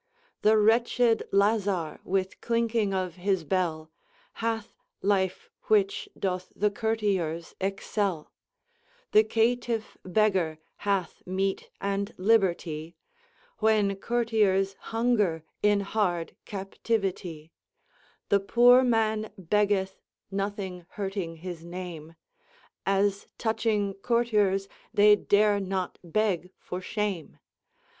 The wretched lazar with clinking of his bell, Hath life which doth the courtiers excell; The caytif begger hath meate and libertie, When courtiers hunger in harde captivitie. The poore man beggeth nothing hurting his name, As touching courters they dare not beg for shame.